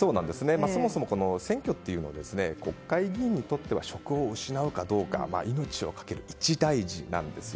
そもそも選挙というのは国会議員にとっては職を失うかどうか命を懸ける一大事なんですよ。